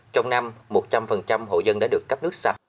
trong năm một trăm linh hộ dân đã được cấp nước sạch